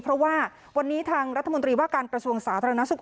เพราะว่าวันนี้ทางรัฐมนตรีว่าการกระทรวงสาธารณสุข